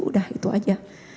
udah itu aja